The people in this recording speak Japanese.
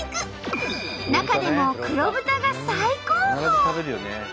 中でも黒豚が最高峰！